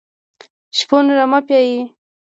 شپون رمه پيایي.